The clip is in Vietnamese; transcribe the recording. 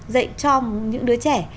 dạy cho những đứa trẻ